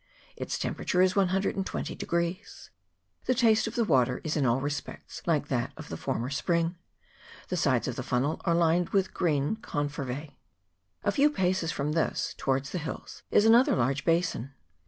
Its temperature is 120. The taste of the water is in all respects like that of the former spring. The sides of the funnel are lined with green Confervse. A few paces from this, towards the hills, is another large basin.